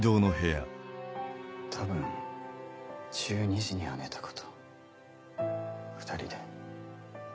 多分１２時には寝たかと２人で。